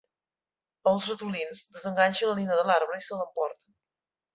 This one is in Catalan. Els ratolins desenganxen la nina de l'arbre, i se l'emporten.